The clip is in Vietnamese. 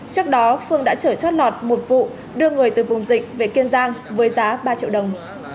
trước đó phương đã trở chót lọt một vụ đưa người từ vùng dịch về kiên giang với giá ba triệu đồng